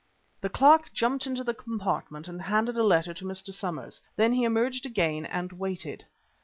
The clerk jumped into the compartment and handed a letter to Mr. Somers. Then he emerged again and waited.